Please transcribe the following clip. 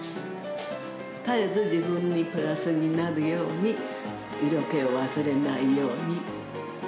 絶えず自分にプラスになるように、色気を忘れないように。